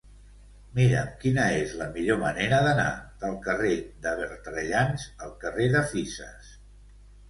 Mira'm quina és la millor manera d'anar del carrer de Bertrellans al carrer de Fisas.